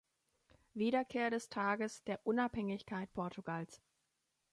Wiederkehr des Tages der Unabhängigkeit Portugals.